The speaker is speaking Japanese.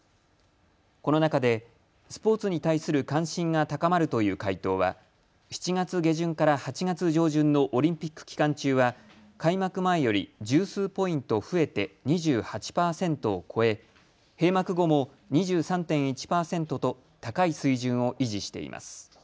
この中でスポーツに対する関心が高まるという回答は７月下旬から８月上旬のオリンピック期間中は開幕前より１０数ポイント増えて２８％を超え、閉幕後も２３．１％と高い水準を維持しています。